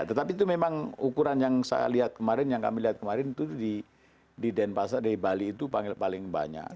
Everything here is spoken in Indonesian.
tetapi itu memang ukuran yang saya lihat kemarin yang kami lihat kemarin itu di denpasar di bali itu panggil paling banyak